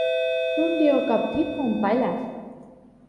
รุ่นเดียวกับที่ผมไปแหละ